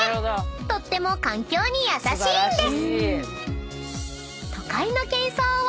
［とっても環境に優しいんです］